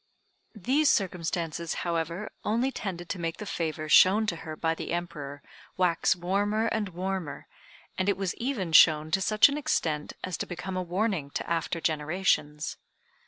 These circumstances, however, only tended to make the favor shown to her by the Emperor wax warmer and warmer, and it was even shown to such an extent as to become a warning to after generations.